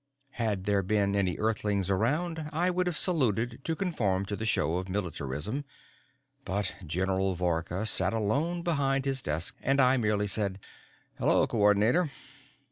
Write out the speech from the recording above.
Had there been any Earthlings around, I would have saluted to conform to the show of militarism, but General Vorka sat alone behind his desk, and I merely said, "Hello, Coordinator."